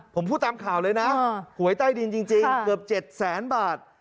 ผมพูดตามข่าวเลยนะหวยใต้ดินจริงเกือบ๗แสนบาท